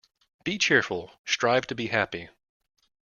Be cheerful. Strive to be happy.